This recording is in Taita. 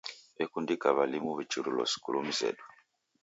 Ekundika w'alimu w'ichurilo skulu mzedu.